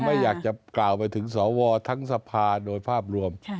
ไม่อยากจะกล่าวไปถึงสวทั้งสภาโดยภาพรวม